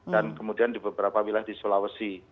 dan kemudian di beberapa wilayah di sulawesi